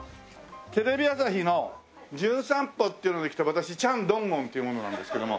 テレビ朝日の『じゅん散歩』っていうので来た私チャン・ドンゴンっていう者なんですけども。